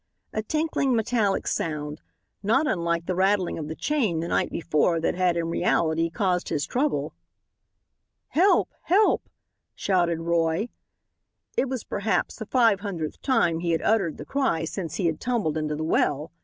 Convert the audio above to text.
A tinkling, metallic sound, not unlike the rattling of the chain the night before that had, in reality, caused his trouble. "Help! Help!" shouted Roy. It was perhaps the five hundredth time he had uttered the cry since he had tumbled into the well.